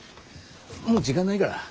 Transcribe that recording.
もう時間ないから。